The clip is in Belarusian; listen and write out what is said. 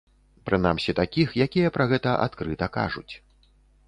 Прынамсі такіх, якія пра гэта адкрыта кажуць.